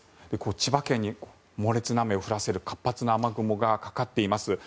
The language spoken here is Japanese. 千葉県に猛烈な雨を降らせる活発な雨雲がかかっています。